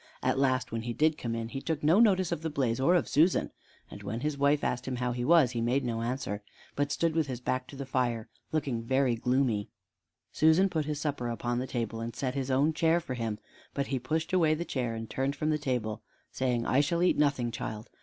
At last, when he did come in, he took no notice of the blaze or of Susan; and when his wife asked him how he was, he made no answer, but stood with his back to the fire, looking very gloomy. Susan put his supper upon the table, and set his own chair for him, but he pushed away the chair and turned from the table, saying, "I shall eat nothing, child.